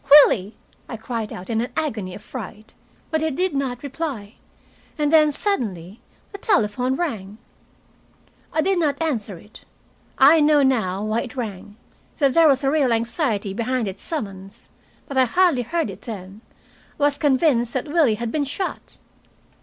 "Willie!" I cried out, in an agony of fright. But he did not reply. And then, suddenly, the telephone rang. I did not answer it. I know now why it rang, that there was real anxiety behind its summons. But I hardly heard it then. I was convinced that Willie had been shot.